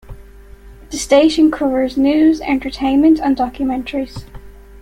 The station covers news, entertainment, and documentaries.